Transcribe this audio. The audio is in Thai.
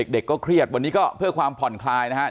เด็กก็เครียดวันนี้ก็เพื่อความผ่อนคลายนะฮะ